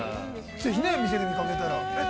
ぜひ、店で見かけたら。